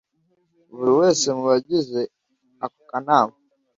buri wese mu bagize ako kanama